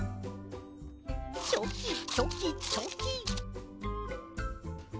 チョキチョキチョキ。